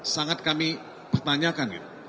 sangat kami pertanyakan